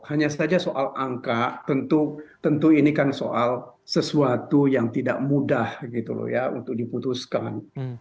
hanya saja soal angka tentu ini kan soal sesuatu yang tidak mudah untuk diputuskan